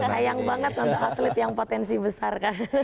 sayang banget untuk atlet yang potensi besar